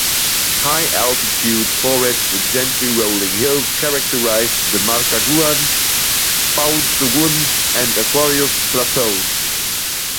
High altitude forests in gently rolling hills characterize the Markagunt, Paunsaugunt, and Aquarius Plateaus.